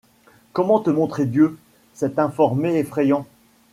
Comment te montrer Dieu, cet informé effrayant ?